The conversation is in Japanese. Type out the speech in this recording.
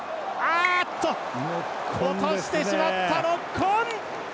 落としてしまった、ノックオン！